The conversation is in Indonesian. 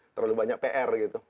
terlalu banyak pr gitu